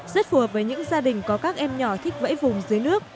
rất phù hợp với những gia đình có các em nhỏ thích vẫy vùng dưới nước